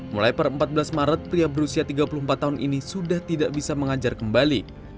mulai per empat belas maret pria berusia tiga puluh empat tahun ini sudah tidak bisa mengajar kembali